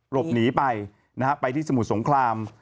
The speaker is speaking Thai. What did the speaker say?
หลบหนีไปไปที่สมุทรสงคราม